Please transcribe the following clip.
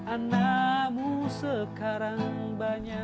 andamu sekarang banyak